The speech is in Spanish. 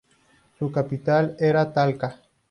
Su capital era Talca.